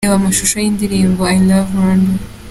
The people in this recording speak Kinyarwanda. Reba amashusho y'indirimbo 'I love Rwanda'.